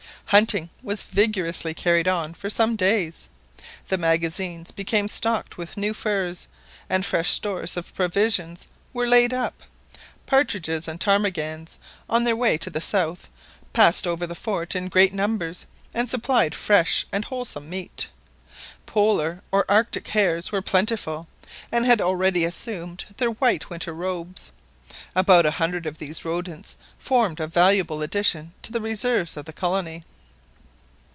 Hunting was vigorously carried on for some days. The magazines became stocked with new furs, and fresh stores of provisions were laid up. Partridges and ptarmigans on their way to the south passed over the fort in great numbers, and supplied fresh and wholesome meat. Polar or Arctic hares were plentiful, and had already assumed their white winter robes. About a hundred of these rodents formed a valuable addition to the reserves of the colony.